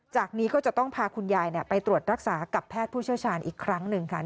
จากนี้ก็จะต้องพาคุณยายไปตรวจรักษากับแพทย์ผู้เชี่ยวชาญอีกครั้งหนึ่งค่ะ